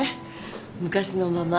昔のまま。